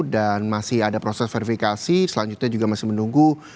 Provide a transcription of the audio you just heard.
dan masih ada proses verifikasi selanjutnya juga masih menunggu